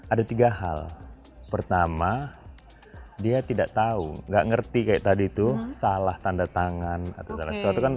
ada tiga hal pertama dia tidak tahu nggak ngerti kayak tadi itu salah tanda tangan atau salah sesuatu kan